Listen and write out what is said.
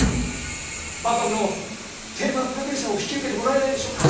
万博のテーマプロデューサーを引き受けてもらえないでしょうか？